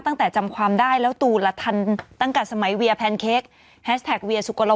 ตั้งแต่จำความได้แล้วตูละทันตั้งแต่สมัยเวียแพนเค้ก